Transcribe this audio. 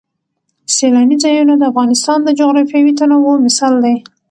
سیلانی ځایونه د افغانستان د جغرافیوي تنوع مثال دی.